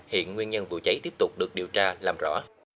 hiện nguyên nhân vụ cháy tiếp tục được điều tra làm rõ